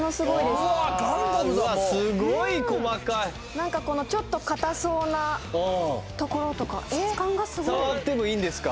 すごい細かいなんかこのちょっと硬そうなところとか質感がすごい触ってもいいんですか？